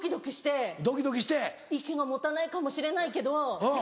息が持たないかもしれないけど。